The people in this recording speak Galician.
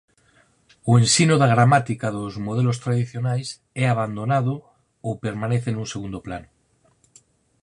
O ensino da gramática dos modelos tradicionais é abandonado ou permanece nun segundo plano.